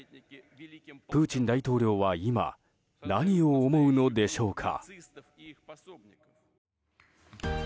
プーチン大統領は今何を思うのでしょうか。